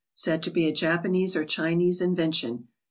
Said to be a Japanese or Chinese invention.